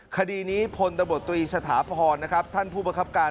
คดีนี้พตสภพรท่านผู้บังคับการ